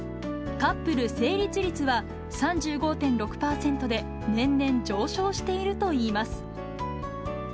カップル成立率は３５．６％で、年々上昇しているといいます。